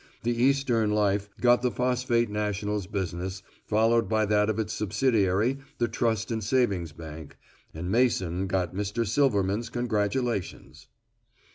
The Eastern Life got the Phosphate National's business, followed by that of its subsidiary, the Trust & Savings Bank, and Mason got Mr. Silverman's congratulations.